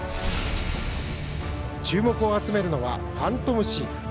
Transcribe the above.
注目を集めるのはファントムシーフ。